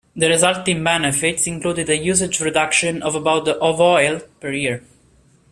The resulting benefits included a usage reduction of about of oil per year.